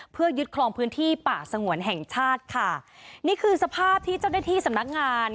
เพื่อยึดคลองพื้นที่ป่าสงวนแห่งชาติค่ะนี่คือสภาพที่เจ้าหน้าที่สำนักงาน